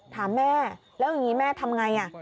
ถามแม่เรื่องอย่างนี้แม่ทำไง